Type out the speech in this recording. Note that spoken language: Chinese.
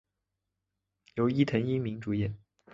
由伊藤英明主演。